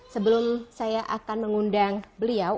sebelum saya akan mengundang beliau